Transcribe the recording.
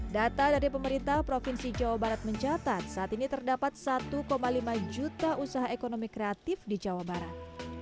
data dari pemerintah provinsi jawa barat mencatat saat ini terdapat satu lima juta usaha ekonomi kreatif di jawa barat